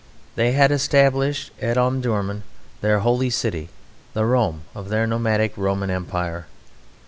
They had established at Omdurman their Holy City, the Rome of their nomadic Roman Empire.